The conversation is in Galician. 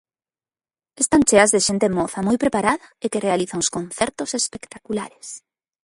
Están cheas de xente moza, moi preparada e que realiza uns concertos espectaculares.